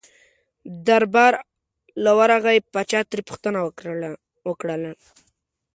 دربار له ورغی پاچا ترې پوښتنه وکړله.